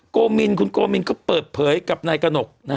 โกมินคุณโกมินก็เปิดเผยกับนายกระหนก